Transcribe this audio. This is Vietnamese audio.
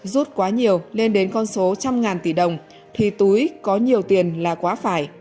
rút quá nhiều lên đến con số trăm ngàn tỷ đồng thì túi có nhiều tiền là quá phát